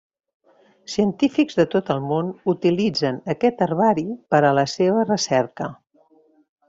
Científics de tot el món utilitzen aquest herbari per a la seva recerca.